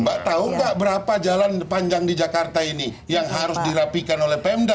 mbak tahu nggak berapa jalan panjang di jakarta ini yang harus dirapikan oleh pemda